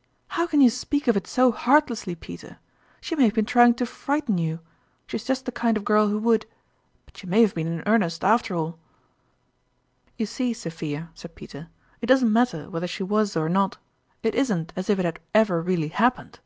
" How can you speak of it so heartlessly, Peter ? She may have been trying to frighten 138 (ftonrmaiin's (Eime Cheques. you ; she is just the kind of girl who would. But she may have been in earnest after all !"" You see, Sophia," said Peter, " it doesn't matter whether she was or not it isn't as if it had ever really happened."